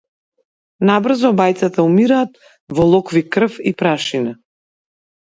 Набрзо обајцата умираат во локви крв и прашина.